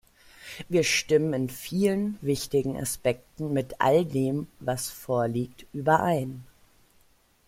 Wir stimmen in vielen wichtigen Aspekten mit all dem, was vorliegt, überein.